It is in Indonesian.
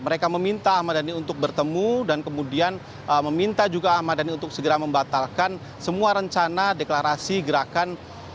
mereka meminta ahmad dhani untuk bertemu dan kemudian meminta juga ahmad dhani untuk segera membatalkan semua rencana deklarasi gerakan